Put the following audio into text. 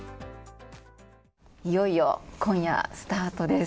いよいよ今夜スタートです。